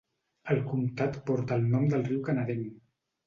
El comtat porta el nom del riu canadenc.